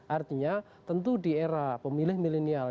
artinya tentu di era pemilih milenial